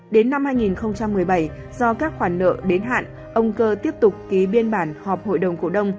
đến năm hai nghìn một mươi bảy do các khoản nợ đến hạn ông cơ tiếp tục ký biên bản họp hội đồng cổ đông